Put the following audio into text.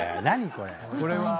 何これ？